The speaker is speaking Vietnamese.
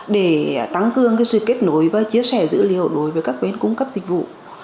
để tăng cường sự kết nối và chia sẻ dữ liệu đối với các bên cung cấp dịch vụ